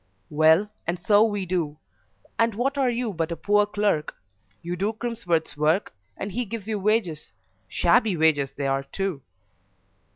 "Well, and so we do; and what are you but a poor clerk? You do Crimsworth's work, and he gives you wages shabby wages they are, too."